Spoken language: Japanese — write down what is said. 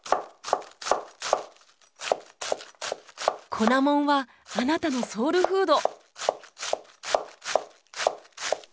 粉もんはあなたのソウルフード。